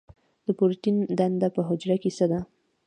د پروټین دنده په حجره کې څه ده؟